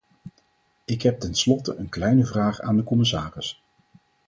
Ik heb tenslotte een kleine vraag aan de commissaris.